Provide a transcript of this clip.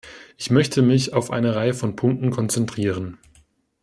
Ich möchte mich auf eine Reihe von Punkten konzentrieren.